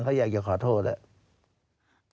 เขาอยากเหยื่อขอโทษเลย